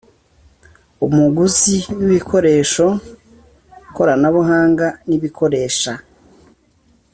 Umuguzi w ibikoresho koranabuhanga n ibikoresha